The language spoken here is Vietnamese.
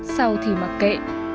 sau thì mặc kệ